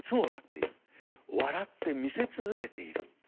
笑ってみせ続けている。